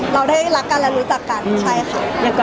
เราได้รักกันและรู้จักกันใช่ค่ะ